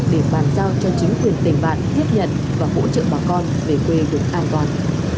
để bàn giao cho chính quyền tỉnh bạn tiếp nhận và hỗ trợ bà con về quê được an toàn